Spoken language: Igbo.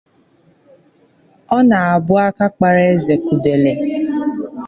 Ọ na-abụ aka kpàrá ezekudele